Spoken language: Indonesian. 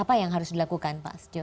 apa yang harus dilakukan pak setio